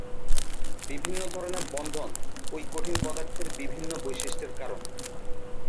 বিভিন্ন ধরণের বন্ধন ঐ কঠিন পদার্থের বিভিন্ন বৈশিষ্টের কারণ।